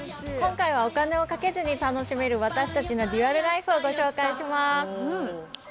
今回はお金をかけずに、楽しめる私たちのデュアルライフをご紹介します。